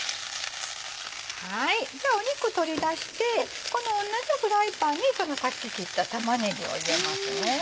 肉取り出してこの同じフライパンにさっき切った玉ねぎを入れます。